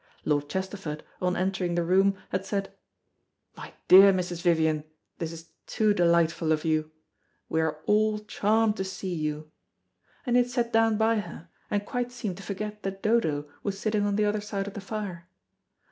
Lord Chesterford, on entering the room, had said, "My dear Mrs. Vivian, this is too delightful of you. We are all charmed to see you," and he had sat down by her, and quite seemed to forget that Dodo was sitting on the other side of the fire.